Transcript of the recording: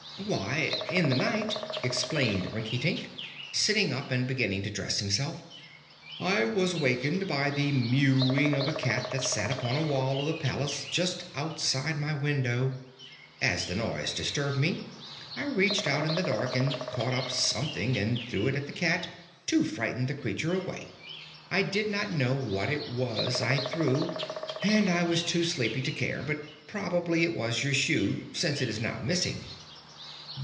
"Why, in the night," explained Rinkitink, sitting up and beginning to dress himself, "I was wakened by the mewing of a cat that sat upon a wall of the palace, just outside my window. As the noise disturbed me, I reached out in the dark and caught up something and threw it at the cat, to frighten the creature away. I did not know what it was that I threw, and I was too sleepy to care; but probably it was your shoe, since it is now missing."